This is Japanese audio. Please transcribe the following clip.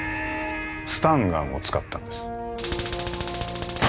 スタンガンを使ったんです